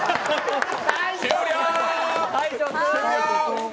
終了！